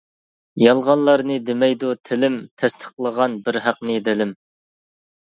يالغانلارنى دېمەيدۇ تىلىم، تەستىقلىغان بىر ھەقنى دىلىم.